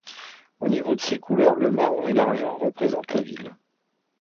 Au niveau de ses couleurs, le marron et l'argent représentent la ville.